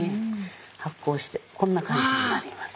発酵してこんな感じになります。